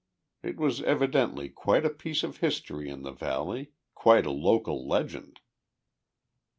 It was evidently quite a piece of history in the valley, quite a local legend.